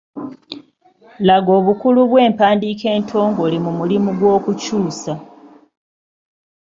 Laga obukulu bw’empandiika entongole mu mulimu gw’okukyusa.